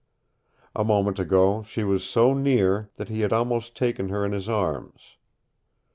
A moment ago she was so near that he had almost taken her in his arms.